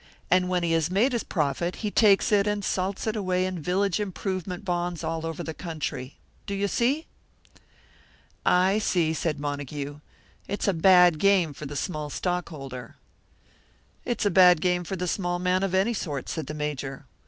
And when he has made his profit, he takes it and salts it away in village improvement bonds all over the country. Do you see?" "I see," said Montague. "It's a bad game for the small stockholder." "It's a bad game for the small man of any sort," said the Major.